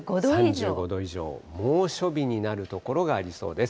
３５度以上、猛暑日になる所がありそうです。